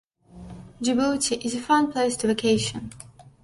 Djibouti is a fun place to vacation.